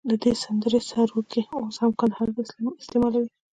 د دې سندرې سروکي اوس هم کندهار کې استعمالوي.